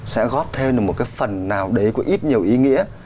sẽ góp thêm được một cái phần nào đấy có ít nhiều ý nghĩa